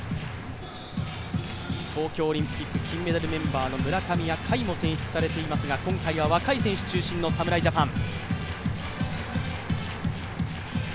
東京オリンピック金メダルメンバー、村上や甲斐も選出されていますが今回は若い選手中心の侍ジャパン。